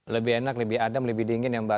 lebih enak lebih adem lebih dingin ya mbak